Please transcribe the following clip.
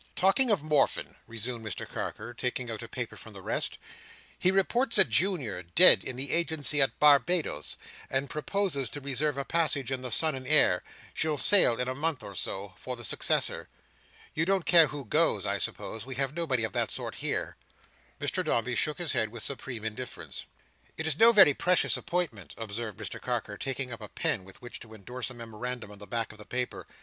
"Talking of Morfin," resumed Mr Carker, taking out one paper from the rest, "he reports a junior dead in the agency at Barbados, and proposes to reserve a passage in the Son and Heir—she'll sail in a month or so—for the successor. You don't care who goes, I suppose? We have nobody of that sort here." Mr Dombey shook his head with supreme indifference. "It's no very precious appointment," observed Mr Carker, taking up a pen, with which to endorse a memorandum on the back of the paper.